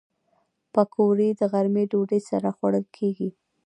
پکورې د غرمې ډوډۍ سره خوړل کېږي